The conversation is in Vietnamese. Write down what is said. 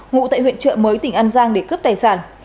ngụ tại huyện trợ mới tỉnh an giang để cướp tài sản